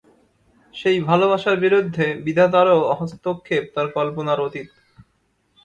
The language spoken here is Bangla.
সেই ভালোবাসার বিরুদ্ধে বিধাতারও হস্তক্ষেপ তার কল্পনার অতীত।